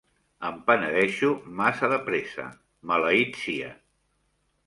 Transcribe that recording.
Em penedeixo massa de pressa, maleït sia.